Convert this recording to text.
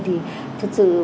thì thật sự